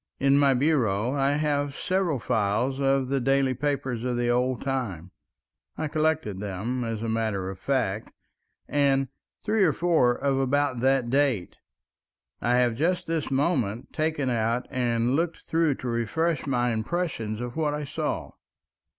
In my bureau I have several files of the daily papers of the old time—I collected them, as a matter of fact—and three or four of about that date I have just this moment taken out and looked through to refresh my impression of what I saw.